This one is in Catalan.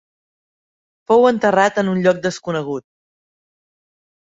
Fou enterrat en un lloc desconegut.